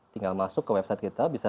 tinggal masuk ke website kita bisa